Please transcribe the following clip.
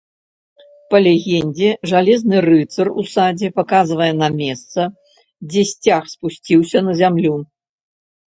Па легендзе жалезны рыцар у садзе паказвае на месца, дзе сцяг спусціўся на зямлю.